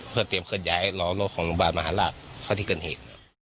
เพื่อเตรียมเคลื่อย้ายรอรถของโรงพยาบาลมหาราชเข้าที่เกิดเหตุ